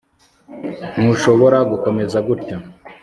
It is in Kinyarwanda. Ntushobora gukomeza gutya